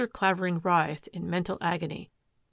Clavering writhed in mental agony.